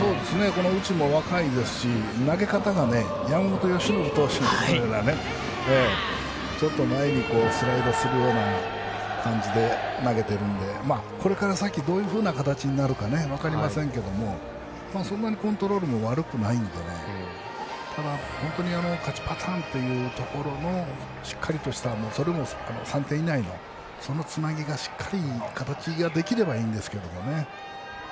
内も若いですし山本由伸投手のような、前にスライドするような感じで投げているんでこれから先にどういうふうな形になるか分かりませんけどそんなにコントロールも悪くないので本当に勝ちパターンというしっかりとしたそれも３点以内のそのつなぎが、しっかり形ができればいいんですけどね。